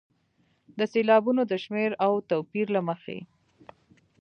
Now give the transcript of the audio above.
د سېلابونو د شمېر او توپیر له مخې.